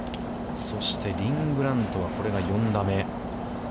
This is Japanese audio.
そして、リン・グラントはこれが４打目。